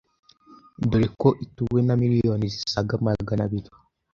dore ko ituwe na miliyoni zisaga magana biri .